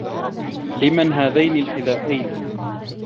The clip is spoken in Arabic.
لمن هذين الحذائين؟